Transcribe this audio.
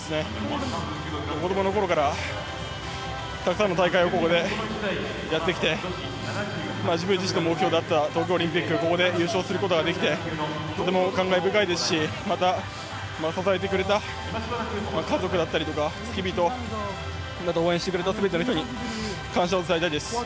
子供のころからたくさんの大会をここでやってきて自分自身の目標であった東京オリンピックで優勝することができてとても感慨深いですしまた、支えてくれた家族だったりとか、付き人応援してくれた全ての人に感謝をしたいです。